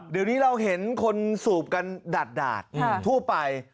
เดี๋ยวนี้เราเห็นคนสูบกันดาดทั่วไป